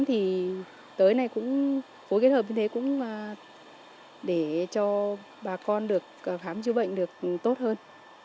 thì tới này cũng phối kết hợp như thế cũng để cho bà con được khám chữa bệnh được tốt hơn